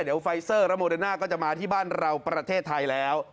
เดี๋ยวไฟเซอร์และโมเดอร์น่าก็จะมาที่บ้านเราประเทศไทยแล้ว